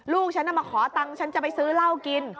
ลูกฉันมาขอตังค์ฉันจะไปซื้อเหล้ากิน